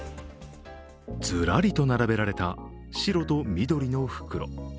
ずらりと並べられた白と緑の袋。